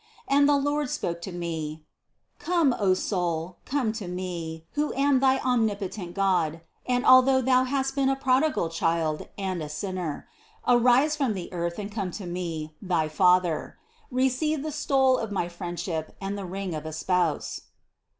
And the Lord spoke to me: "Come, O soul, come to Me, who am thy omnipo tent God, and although thou hast been a prodigal child and a sinner, arise from the earth and come to Me, thy Father; receive the stole of my friendship and the ring of a spouse."